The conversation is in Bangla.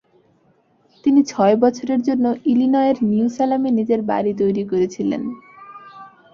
তিনি ছয় বছরের জন্য ইলিনয়ের নিউ সেলামে নিজের বাড়ি তৈরি করেছিলেন।